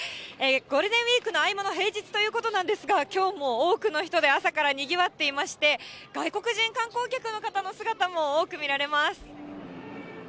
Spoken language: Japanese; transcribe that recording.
ゴールデンウィークの合間の平日ということなんですが、きょうも多くの人で朝からにぎわっていまして、外国人観光客の方の姿も多く見られます。